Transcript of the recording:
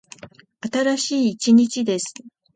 新しい一日です。